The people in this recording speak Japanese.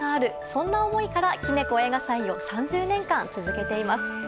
そんな思いからキネコ映画祭を３０年間続けています。